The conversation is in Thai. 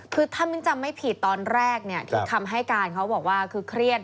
คือถ้ามิ้นจำไม่ผิดตอนแรกที่คำให้การเขาบอกว่าคือเครียด